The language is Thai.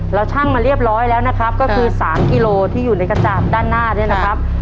ชั่งมาเรียบร้อยแล้วนะครับก็คือ๓กิโลที่อยู่ในกระจาบด้านหน้าเนี่ยนะครับ